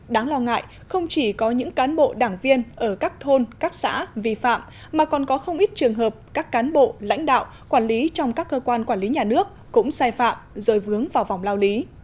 đáng lo ngại không chỉ có những cán bộ đảng viên ở các thôn các xã vi phạm mà còn có không ít trường hợp các cán bộ lãnh đạo quản lý trong các cơ quan quản lý nhà nước cũng sai phạm rồi vướng vào vòng lao lý